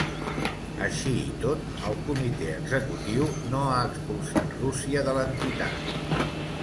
Així i tot, el comitè executiu no ha expulsat Rússia de l’entitat.